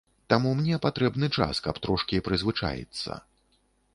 Таму мне патрэбны час, каб трошкі прызвычаіцца.